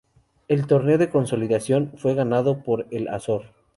El Torneo de Consolación fue ganado por el Azor.